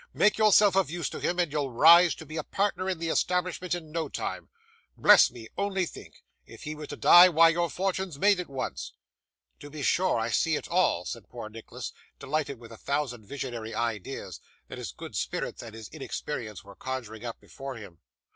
Make yourself of use to him, and you'll rise to be a partner in the establishment in no time. Bless me, only think! if he were to die, why your fortune's made at once.' 'To be sure, I see it all,' said poor Nicholas, delighted with a thousand visionary ideas, that his good spirits and his inexperience were conjuring up before him.